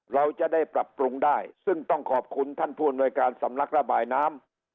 เราจะได้ปรับปรุงได้ซึ่งต้องขอบคุณท่านผู้อำนวยการสำนักระบายน้ำ